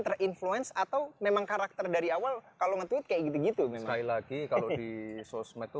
terinfluensi atau memang karakter dari awal kalau ngetweet kayak gitu gitu lagi kalau di sosmed itu